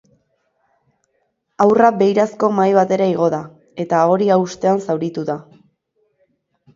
Haurra beirazko mahai batera igo da, eta hori haustean zauritu da.